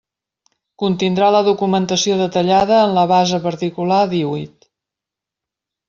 Contindrà la documentació detallada en la base particular díhuit.